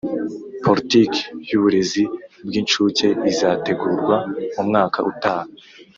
politiki y'uburezi bw'incuke izategurwa mu mwaka utaha,